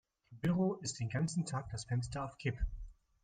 Im Büro ist den ganzen Tag das Fenster auf Kipp.